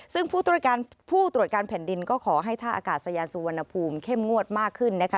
ซึ่งผู้ตรวจการแผ่นดินก็ขอให้ท่าอากาศยานสุวรรณภูมิเข้มงวดมากขึ้นนะคะ